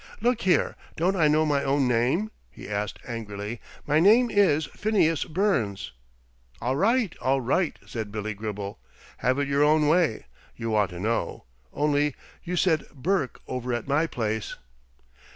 "Look here! Don't I know my own name?" he asked angrily. "My name is Phineas Burns." "All right! All right!" said Billy Gribble. "Have it your own way. You ought to know. Only you said Burke over at my place."